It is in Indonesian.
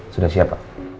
sudah siap pak